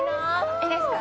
いいですか？